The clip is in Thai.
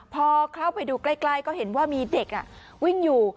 พอเข้าไปดูใกล้ก็เห็นว่ามีเด็กวิ่งอยู่